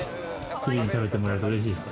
キレイに食べてもらえるとうれしいですか？